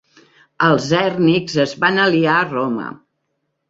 Els hèrnics es van aliar a Roma.